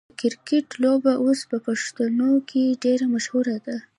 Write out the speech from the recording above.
د کرکټ لوبه اوس په پښتنو کې ډیره مشهوره ده.